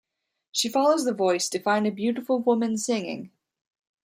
She follows the voice to find a beautiful woman singing.